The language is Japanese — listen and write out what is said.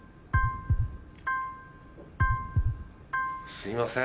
すみません。